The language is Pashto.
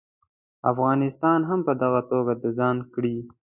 افغانستان هم په دغه توګه د ځان کړي.